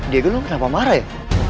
diego lu kenapa marah ya